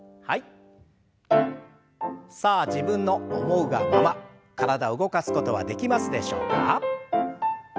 さあ自分の思うがまま体動かすことはできますでしょうか。